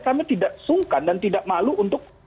kami tidak sungkan dan tidak malu untuk